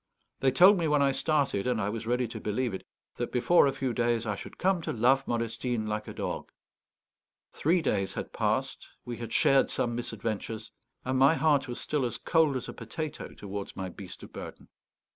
They told me when I started, and I was ready to believe it, that before a few days I should come to love Modestine like a dog. Three days had passed, we had shared some misadventures, and my heart was still as cold as a potato towards my beast of burden.